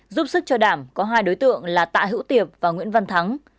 giúp sức cho đảm có hai đối tượng là tạ hữu tiệp và nguyễn văn thắng